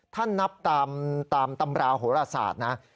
ถ้านับตามตำราโหรศาสตร์นะ